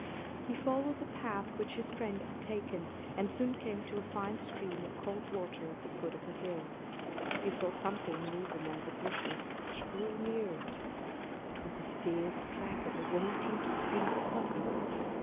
He followed the path which his friends had taken, and soon came to a fine stream of cold water at the foot of a hill. He saw something move among the bushes which grew near it. It was a fierce dragon, waiting to spring upon him.